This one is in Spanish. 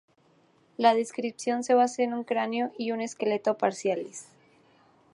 La descripción se basa en un cráneo y un esqueleto parciales.